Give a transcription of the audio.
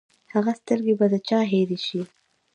هغه سترګې به د چا هېرې شي!